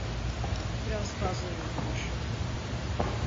Biraz fazla yürümüşüm…